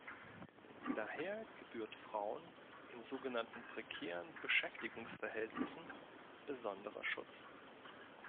Daher gebührt Frauen in sogenannten prekären Beschäftigungsverhältnissen besonderer Schutz.